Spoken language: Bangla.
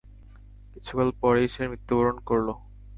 কিছুকাল পরেই সে মৃত্যুবরণ করল।